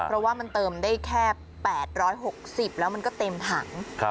เพราะว่ามันเติมได้แค่๘๖๐แล้วมันก็เต็มถัง